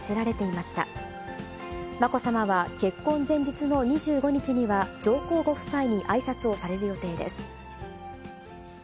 まこさまは結婚前日の２５日には上皇ご夫妻にあいさつをされる予定です。